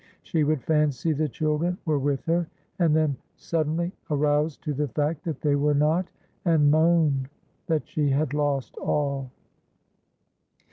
She would fancy the children were with her, and then suddenly arouse to the fact that they were not, and moan that she had lost all.